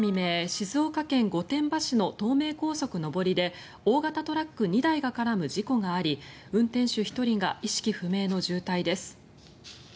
静岡県御殿場市の東名高速上りで大型トラック２台が絡む事故があり運転手１人が意識不明の重体です。